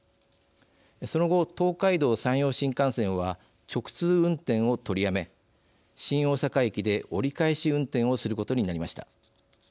その後、東海道・山陽新幹線は直通運転を取りやめ新大阪駅で折り返し運転をすることになりました。